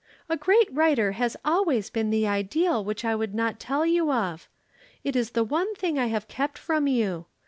"A great writer has always been the ideal which I would not tell you of. It is the one thing I have kept from you.